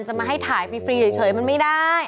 จะมาให้ถ่ายฟรีเฉยมันไม่ได้